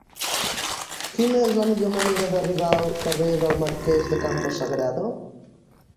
Quina és la millor manera d'arribar al carrer del Marquès de Campo Sagrado?